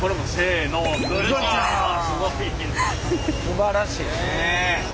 すばらしい。